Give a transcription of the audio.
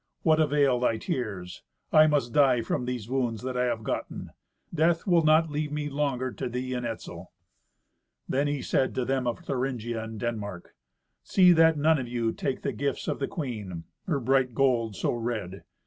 What avail thy tears? I must die from these wounds that I have gotten. Death will not leave me longer to thee and Etzel." Then he said to them of Thuringia and Denmark, "See that none of you take the gifts of the queen—her bright gold so red.